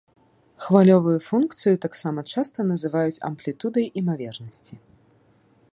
Хвалевую функцыю таксама часта называюць амплітудай імавернасці.